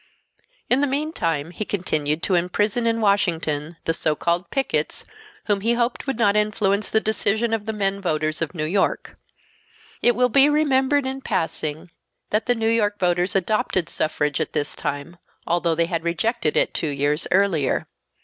In the meantime he continued to imprison in Washington the "so called pickets" whom he hoped would not influence the decision of the men voters of New York. It will be remembered, in passing, that the New York voters adopted suffrage at this time, although they had rejected it two years earlier.